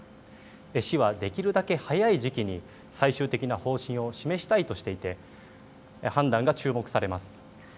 市はできるだけ早い時期に最終的な方針を示したいとしていて判断が注目されます。